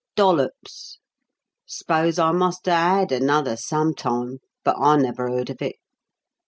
"Dollops. S'pose I must a had another sometime, but I never heard of it.